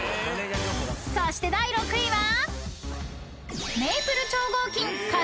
［そして第６位は？］